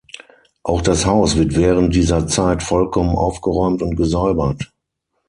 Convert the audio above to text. Auch das Haus wird während dieser Zeit vollkommen aufgeräumt und gesäubert.